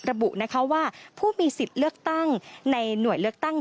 ระบุนะคะว่าผู้มีสิทธิ์เลือกตั้งในหน่วยเลือกตั้ง